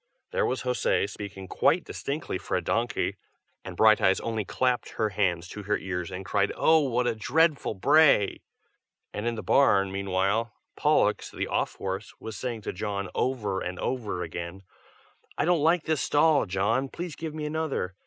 There was José, speaking quite distinctly for a donkey, and Brighteyes only clapped her hands to her ears and cried "Oh! what a dreadful bray!" and in the barn, meanwhile, Pollux, the off horse, was saying to John, over and over again, "I don't like this stall, John! please give me another.